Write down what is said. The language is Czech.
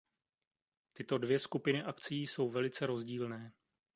Tyto dvě skupiny akcií jsou velice rozdílné.